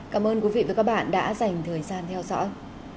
cảm ơn quý vị và các bạn đã dành thời gian theo dõi